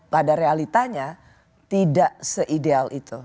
pada realitanya tidak se ideal itu